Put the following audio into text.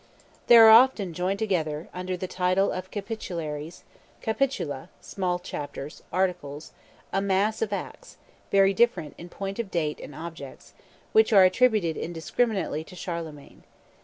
There are often joined together, under the title of Capitularies (capitula, small chapters, articles) a mass of Acts, very different in point of dates and objects, which are attributed indiscriminately to Charlemagne.